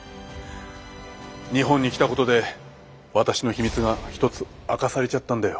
日本に来たことで私の秘密が一つ明かされちゃったんだよ。